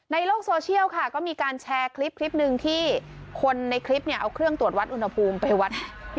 ในโลกโซเชียลค่ะก็มีการแชร์คลิปหนึ่งที่คนในคลิปเอาเครื่องตรวจวัดอุณหภูมิไปวัด